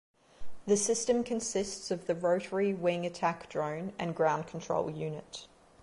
The system consists of the rotary wing attack drone and ground control unit.